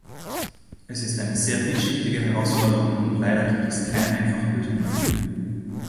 Es ist eine sehr vielschichtige Herausforderung, und leider gibt es keine einfachen Lösungen dafür.